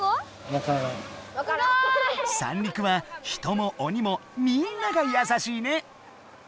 三陸は人もおにもみんなが優しいね。